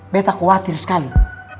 betta khawatir sekali